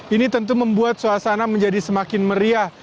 ini tentu membuat suasana menjadi semakin meriah